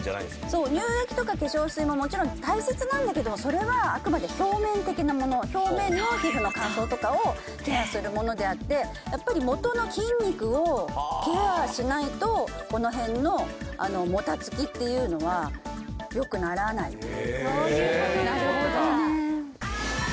そう乳液とか化粧水ももちろん大切なんだけどもそれはあくまで表面的なもの表面の皮膚の乾燥とかをそういうことケアするものであってやっぱりもとの筋肉をケアしないとこの辺のあのもたつきっていうのはよくならないそういうことかなるほどね